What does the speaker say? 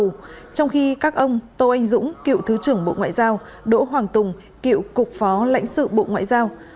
trong khi các ông tô anh dũng cựu thứ trưởng bộ ngoại giao đỗ hoàng tùng cựu cục phó lãnh sự bộ ngoại giao